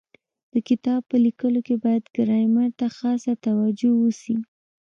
د کتاب په لیکلو کي باید ګرامر ته خاصه توجو وسي.